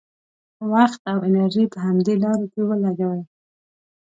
وخت او انرژي په همدې لارو کې ولګوي.